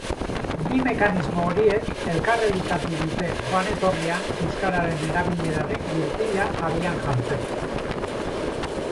Bi mekanismo horiek elkar elikatu dute joan-etorrian euskararen erabileraren gurpila abian jartzeko.